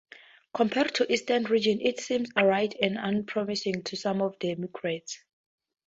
Compared to eastern regions, it seemed arid and unpromising to some of the migrants.